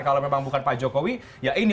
kalau memang bukan pak jokowi ya ini